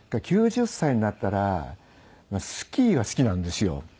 ９０歳になったらスキーが好きなんですよ。